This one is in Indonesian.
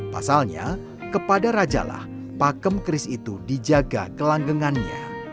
pasalnya kepada rajalah pakem kris itu dijaga kelanggengannya